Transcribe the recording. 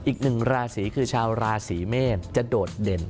อีกหนึ่งราศีคือชาวราศีเมษจะโดดเด่น